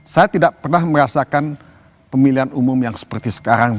saya tidak pernah merasakan pemilihan umum yang seperti sekarang